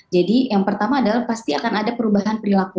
jadi yang pertama adalah pasti akan ada perubahan perilaku